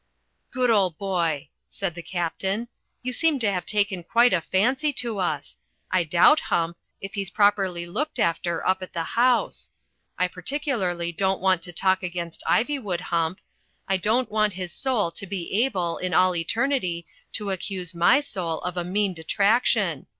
*'Good old boy," said the Captain. You seem to have taken quite a fancy to us. I doubt, Hump, if he's properly looked after up at the house. I particu larly don't want to talk against Ivywood, Hump. I don't want his soul to be able in all eternity to accuse my soul of a mean detraction.